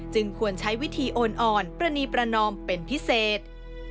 ควรใช้วิธีโอนอ่อนประณีประนอมเป็นพิเศษ